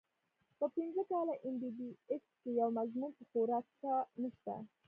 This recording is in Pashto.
پۀ پنځه کاله اېم بي بي اېس کښې يو مضمون پۀ خوراک نشته